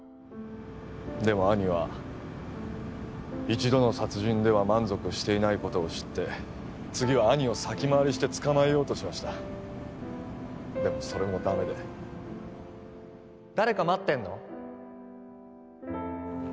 でも兄は一度の殺人では満足していないことを知って次は兄を先回りして捕まえようとしましたでもそれもダメで・誰か待ってんの？